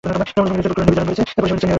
পারিষদেরা বসে নীচে, সামনে বাঁয়ে দুই ভাগে।